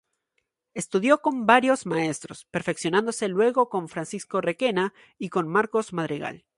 Estudio con varios maestros, perfeccionándose luego con Francisco Requena y con Marcos Madrigal.